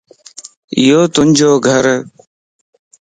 ايوَ تو جو گھر؟